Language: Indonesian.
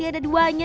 nih udah sini